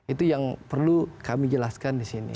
itu yang perlu kami jelaskan disini